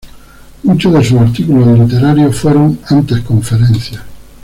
Muchos de sus artículos literarios fueron antes conferencias.